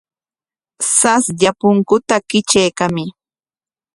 Saslla punkuta kitrarkamuy.